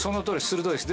鋭いです。